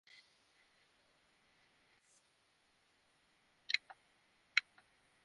নারায়ণগঞ্জের আড়াইহাজারে গরুবাহী পিকআপ ভ্যানের সঙ্গে যাত্রীবাহী বাসের মুখোমুখি সংঘর্ষে তিনজন নিহত হয়েছেন।